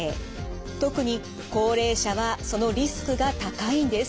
特に高齢者はそのリスクが高いんです。